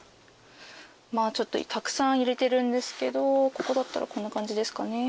まぁちょっとたくさん入れてるんですけどここだったらこんな感じですかね。